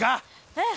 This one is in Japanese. うん。